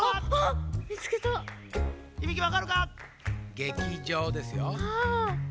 劇場ですよ。